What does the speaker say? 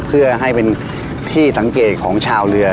เพื่อให้เป็นที่สังเกตของชาวเรือ